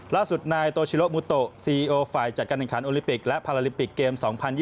ล่าสุดนายโตชิโลมูโตซีโอฝ่ายจัดการแข่งขันโอลิปิกและพาราลิมปิกเกม๒๐๒๐